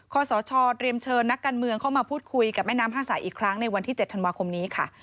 สชเตรียมเชิญนักการเมืองเข้ามาพูดคุยกับแม่น้ำห้างสายอีกครั้งในวันที่๗ธันวาคมนี้ค่ะ